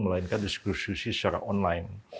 melainkan diskursusi secara online